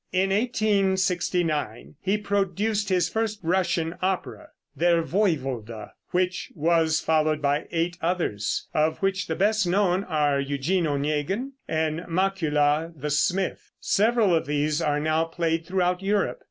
In 1869 he produced his first Russian opera, "Der Woiwode" which was followed by eight others, of which the best known are "Eugene Onegin" and "Makula, the Smith." Several of these are now played throughout Europe.